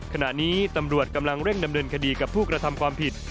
ขณะนี้ตำรวจกำลังเร่งดำเนินคดีกับผู้กระทำความผิด